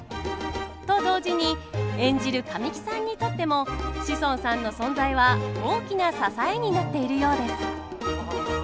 と同時に演じる神木さんにとっても志尊さんの存在は大きな支えになっているようです。